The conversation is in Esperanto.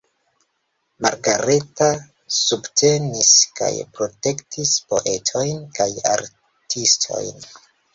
Margareta subtenis kaj protektis poetojn kaj artistojn.